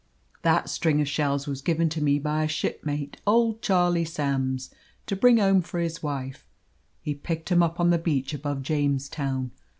"That string of shells was given to me by a shipmate old Charlie Sams to bring home for his wife. He picked 'em up on the beach above James Town.